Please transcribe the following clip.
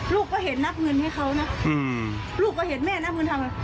ลูกก็เห็นนับเงินให้เขานะลูกก็เห็นแม่นับบุญธรรมอ่ะ